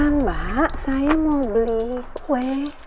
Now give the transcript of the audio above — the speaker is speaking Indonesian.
nah mbak saya mau beli kue